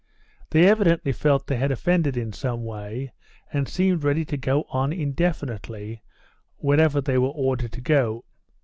They evidently felt they had offended in some way, and seemed ready to go on indefinitely wherever they were ordered to go.